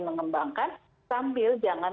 mengembangkan sambil jangan